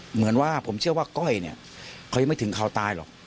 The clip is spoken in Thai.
เหมือนว่าผมเชื่อว่าก้อยเนี่ยเขายังไม่ถึงเขาตายหรอก